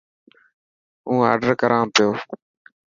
هون آڊر ڪران پيو.